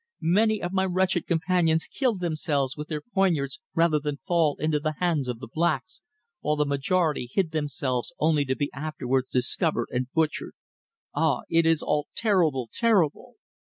Many of my wretched companions killed themselves with their poignards rather than fall into the hands of the blacks, while the majority hid themselves only to be afterwards discovered and butchered. Ah, it is all terrible, terrible!"